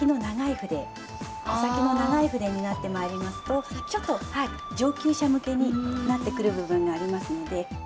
穂先の長い筆になってまいりますとちょっと上級者向けになってくる部分がありますので。